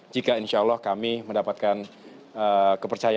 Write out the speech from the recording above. jika insya allah kami mendapatkan kepercayaan